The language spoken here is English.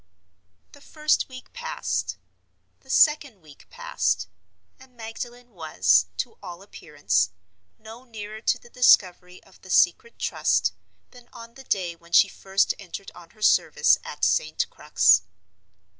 The first week passed, the second week passed, and Magdalen was, to all appearance, no nearer to the discovery of the Secret Trust than on the day when she first entered on her service at St. Crux.